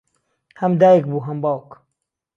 ھەم دایک بوو ھەم باوک